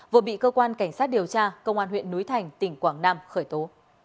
vừa bị cơ quan cảnh sát điều tra công an huyện núi thành tỉnh quảng nam khởi tố